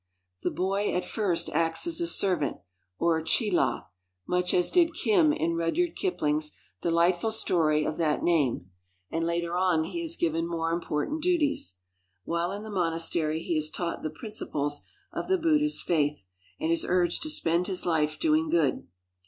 The boy at first acts as a servant, or chelah, much as did " Kim " in Rudyard Kipling's delightful story of that name, and later on he is given more important duties. While in the monastery he is taught the principles of the Buddhist faith, and is urged to spend his life doing good.